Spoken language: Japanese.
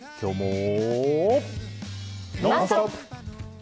「ノンストップ！」。